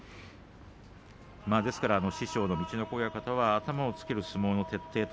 ですから師匠の陸奥親方は頭をつける相撲を徹底する。